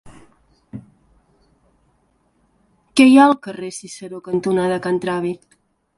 Què hi ha al carrer Ciceró cantonada Can Travi?